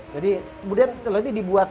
jadi kemudian dibuat